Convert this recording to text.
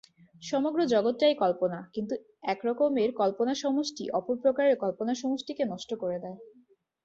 সমগ্র জগৎটাই কল্পনা, কিন্তু একরকমের কল্পনাসমষ্টি অপর প্রকারের কল্পনাসমষ্টিকে নষ্ট করে দেয়।